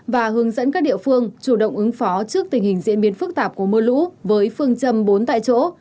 và hướng dẫn các địa phương chủ động ứng phó trước tình hình diễn biến phức tạp của mưa lũ với phương châm bốn tại chỗ